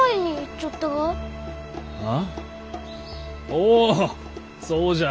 おおそうじゃ！